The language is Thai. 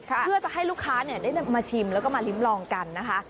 เพื่อจะให้ลูกค้าได้มาชิมแล้วก็มาลิ้มลองกันนะคะ